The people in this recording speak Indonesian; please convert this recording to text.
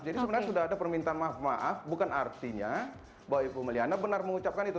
jadi sebenarnya sudah ada permintaan maaf maaf bukan artinya bahwa ibu may liana benar mengucapkan itu